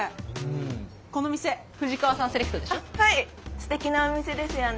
すてきなお店ですよね！